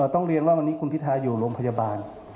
ต้องเรียนว่าวันนี้คุณพิทาอยู่โรงพยาบาล